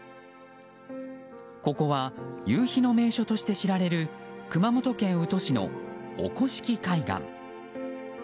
ここは夕日の名所として知られる熊本県宇土市の御輿来海岸。